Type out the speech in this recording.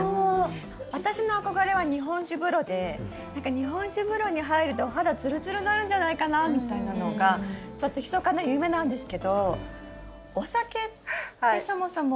日本酒風呂に入るとお肌ツルツルになるんじゃないかなみたいなのがちょっとひそかな夢なんですけど。